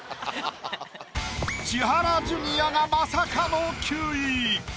千原ジュニアがまさかの９位。